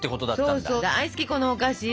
そうそう大好きこのお菓子！